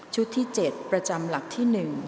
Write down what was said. ที่๗ประจำหลักที่๑